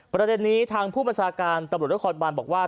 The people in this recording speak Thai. ประเด็นนี้ทางผู้ประชาการตำรวจรัฐคอนดุบันบอกว่า